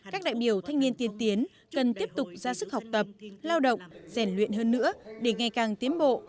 các đại biểu thanh niên tiên tiến cần tiếp tục ra sức học tập lao động rèn luyện hơn nữa để ngày càng tiến bộ